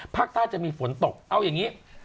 ภาคใต้จะมีฝนตกเอาอย่างนี้